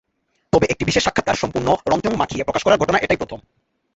তবে একটি বিশেষ সাক্ষাৎকার সম্পূর্ণ রংচং মাখিয়ে প্রকাশ করার ঘটনা এটাই প্রথম।